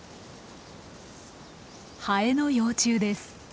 ハエの幼虫です。